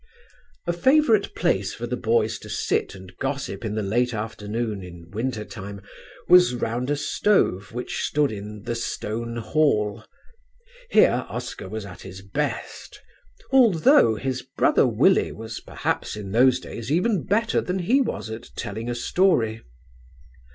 "A favourite place for the boys to sit and gossip in the late afternoon in winter time was round a stove which stood in 'The Stone Hall.' Here Oscar was at his best; although his brother Willie was perhaps in those days even better than he was at telling a story.